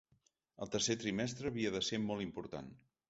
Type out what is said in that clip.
El tercer trimestre havia de ser molt important.